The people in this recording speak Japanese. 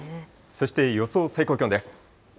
そして予想最高気温です。